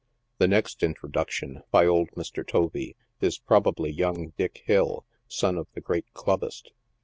The next introduction, by old Mr. Tovee, is probably young Dick Hill, son of the great clubbist.